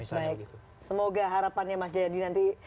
baik semoga harapannya mas jayadi nanti